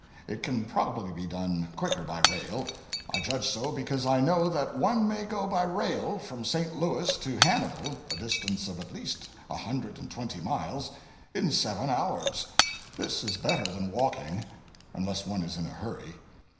It can probably be done quicker by rail. I judge so because I know that one may go by rail from St. Louis to Hannibal a distance of at least a hundred and twenty miles in seven hours. This is better than walking; unless one is in a hurry.